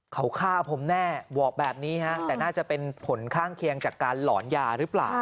เขาฆ่าผมแน่บอกแบบนี้ฮะแต่น่าจะเป็นผลข้างเคียงจากการหลอนยาหรือเปล่า